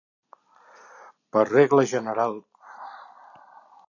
Per regla general.